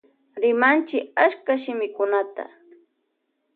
Rimanchi achka shimikunata.